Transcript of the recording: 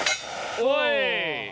おい！